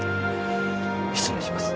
失礼します。